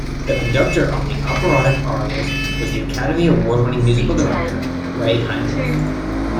The conductor on the operatic arias was the Academy Award-winning Musical Director Ray Heindorf.